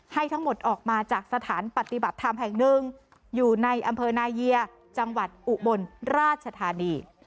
ทั้งหมดออกมาจากสถานปฏิบัติธรรมแห่งหนึ่งอยู่ในอำเภอนาเยียจังหวัดอุบลราชธานี